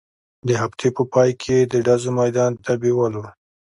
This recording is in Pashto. د هفتې په پاى کښې يې د ډزو ميدان ته بېولو.